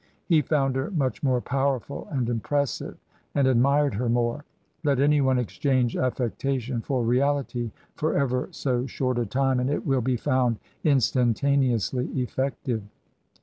He found her much more powerful and impressive and admired her more. Let anyone exchange affectation for reality for ever so short a time and it will be found instantaneously effective.